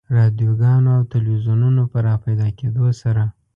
رادیوګانو او تلویزیونونو په راپیدا کېدو سره.